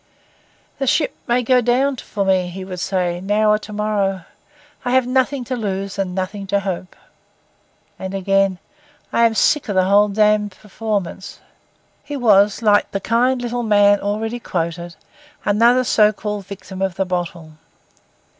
'The ship may go down for me,' he would say, 'now or to morrow. I have nothing to lose and nothing to hope.' And again: 'I am sick of the whole damned performance.' He was, like the kind little man, already quoted, another so called victim of the bottle.